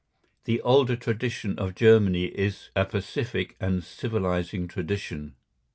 The older tradition of Germany is a pacific and civilising tradition.